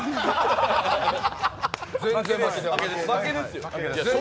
全然負けですよ。